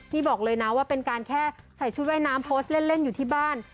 นี่บอกเลยนะว่าเป็นการแค่ใส่ชุดว่ายน้ำโพสต์เล่นอยู่ที่บ้าน